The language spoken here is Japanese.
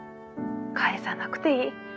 ☎返さなくていい。